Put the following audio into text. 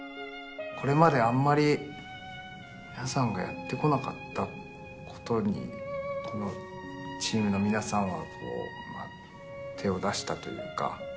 これまであんまり皆さんがやってこなかったことにこのチームの皆さんはまあ手を出したというか。